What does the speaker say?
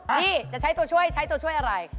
พี่จะใช้ตัวช่วยใช้ตัวช่วยอะไร